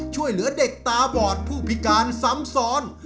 ช่วยเหลือเด็กตาบอดผู้พิการสำสรรค์